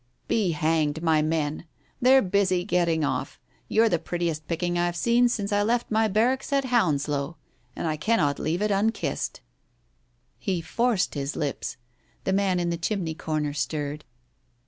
"Be hanged to my men ! They're busy getting off. You're the prettiest picking I've seen since I left my barracks at Hounslow and I cannot leave it unkissed !" He forced her lips. The man in the chimney corner stirred.